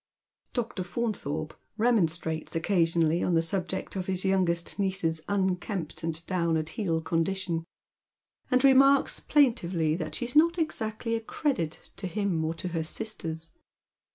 Dr. Fauntliorpe remonstrates occasionally on the subject of his youngest niece's unkempt and down at heel condition, and remarks plaintively that she is not exactly a credit to him or to her sisters.